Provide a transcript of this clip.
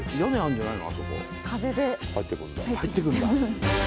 入ってくるんだ。